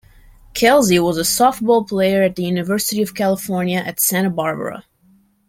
Kelsey was a softball player at the University of California at Santa Barbara.